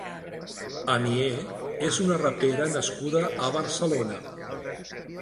Anier és una rapera nascuda a Barcelona.